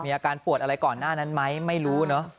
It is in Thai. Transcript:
อาการปวดอะไรก่อนหน้านั้นไหมไม่รู้เนอะ